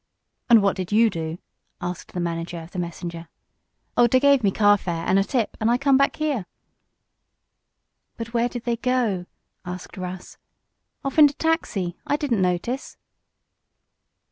"And what did you do?" asked the manager of the messenger. "Oh, dey gave me carfare, an' a tip, and I come back here." "But where did they go?" asked Russ. "Off in de taxi. I didn't notice."